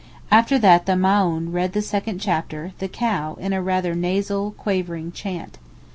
After that the Maōhn read the second chapter, 'the Cow,' in a rather nasal, quavering chant.